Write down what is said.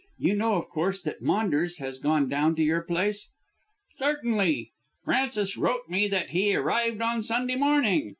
You know, of course, that Maunders has gone down to your place?" "Certainly. Frances wrote me that he arrived on Sunday morning.